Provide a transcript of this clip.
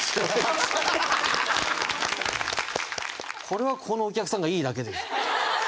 これはここのお客さんがいいだけです。